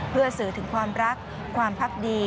เพื่อสื่อถึงความรักความพักดี